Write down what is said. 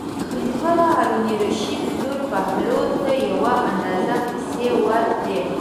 د خلیفه هارون الرشید لور بهلول ته یو اندازه پېسې ورکړې.